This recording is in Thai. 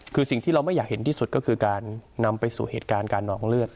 คือสิ่งที่เราไม่อยากเห็นที่สุดก็คือการนำไปสู่เหตุการณ์การนองเลือด